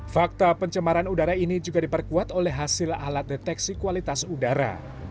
fakta pencemaran udara ini juga diperkuat oleh hasil alat deteksi kualitas udara